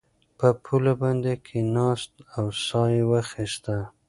په پوله باندې کېناست او ساه یې واخیسته.